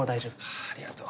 ああありがとう。